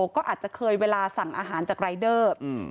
ก็อาจจะเคยเวลาสั่งอาหารจากรายเดอร์